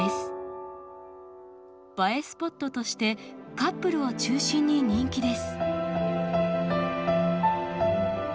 映えスポットとしてカップルを中心に人気です。